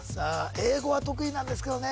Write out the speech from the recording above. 英語は得意なんですけどね